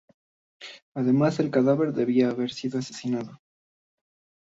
Además, el cadáver debía haber sido asesinado.